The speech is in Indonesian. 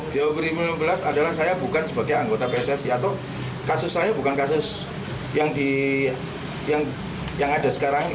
di dua ribu sembilan belas adalah saya bukan sebagai anggota pssi atau kasus saya bukan kasus yang ada sekarang ini